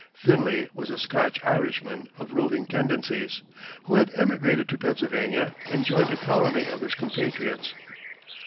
Finley was a Scotch Irishman of roving tendencies, who had emigrated to Pennsylvania and joined a colony of his compatriots.